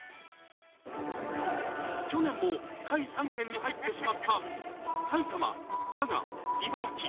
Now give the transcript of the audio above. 去年も下位３県に入ってしまった埼玉、佐賀、茨城。